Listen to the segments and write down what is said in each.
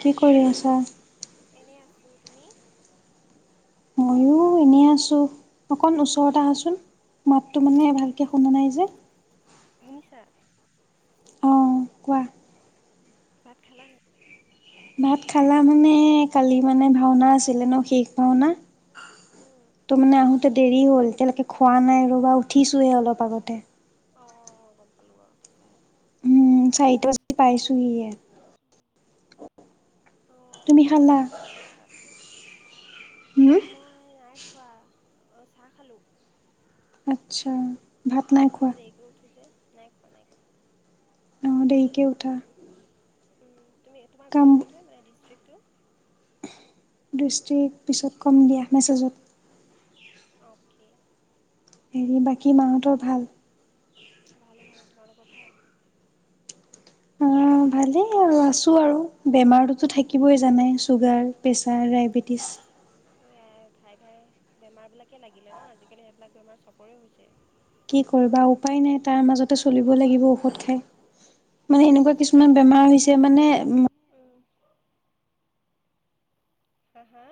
কি কৰি আছা এনে আছো তুমি ময়ো এনেই আছোঁ অকণ ওচৰত আহাচোন মাতটো মানে ভালকে শুনা নাই যে শুনিছা অ কোৱা ভাত খালা নাই ভাত খালা মানে কালি মানে ভাওনা আছিলে ন শেষ ভাওনা অঁ তো মানে আহোতে দেৰি হ'ল এতিয়ালৈকে খোৱা নাই ৰবা উঠিছোহে অলপ আগতে অ গম পালো বাৰু উঠিছাহে উম চাইটা বজাত পাইছোহিহে অ তুমি ভাওনা খালা? হৈছিল মাহঁতৰ তাত হুম? মই নাইখো অ চাহ খালোঁ আতছা মই দেৰিকৈ উঠো যে নাই খোৱা নাই খোৱা অ দেৰিকে উঠা তুমি তোমাৰ কাম ঘৰ ক'ত হয় মানে ডিষ্ট্ৰিকটো ডিষ্ট্ৰিক্ট পিছত কম দিয়া মেছেজত অকে হেৰি বাকী মাহতৰ ভাল ভালে ভালে তোমালোকৰ ভাল উম ভালে আৰু আছো তোৰ আৰু বেমাৰটোতো থাকিবই বেমাৰটোতো জানাই থাকিবই চুগাৰৰ প্ৰেছাৰ ডায়েবেটিছ এ খাই খাই বেমাৰ বিলাকে লাগিলে ন আজিকালি সেইবিলাক বেমাৰ চবৰে হৈছে কি কৰিবা উপায় নাই তাৰ মাজতে চলিব লাগিব ঔষধ খাই মানে সেনেকোৱা চব কিছুমান বেমাৰ হৈছে মানে হা হা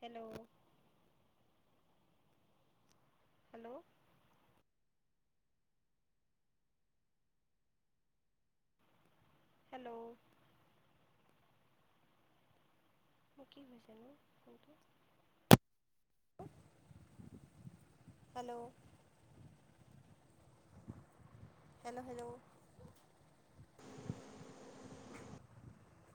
হেল্ল' হেল্ল' হেল্ল' ম কি হৈছেনো ফোনটো [unintelligible] হেল্ল' হেল্ল হেল্ল [unintelligible]